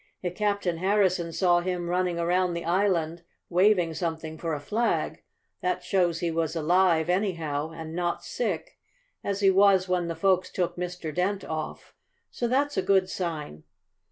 "If Captain Harrison saw him running around the island, waving something for a flag, that shows he was alive, anyhow, and not sick, as he was when the folks took Mr. Dent off. So that's a good sign."